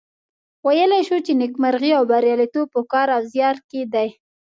ویلای شو چې نیکمرغي او بریالیتوب په کار او زیار کې دي.